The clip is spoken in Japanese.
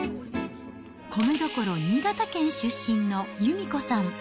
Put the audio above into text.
米どころ、新潟県出身の由美子さん。